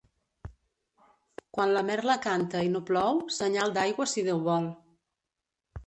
Quan la merla canta i no plou, senyal d'aigua si Déu vol.